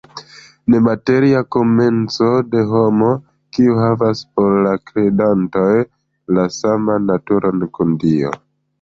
Nemateria komenco de homo, kiu havas por la kredantoj la saman naturon kun Dio.